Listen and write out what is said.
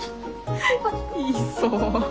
言いそう。